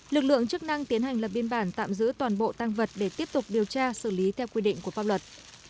lực lượng chức năng tiến hành lập biên bản tạm giữ toàn bộ tăng vật để tiếp tục điều tra xử lý theo quy định của pháp luật